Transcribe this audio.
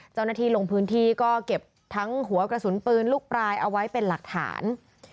เจ้าหน้าที่ลงพื้นที่ก็เก็บทั้งหัวกระสุนปืนลูกปลายเอาไว้เป็นหลักฐาน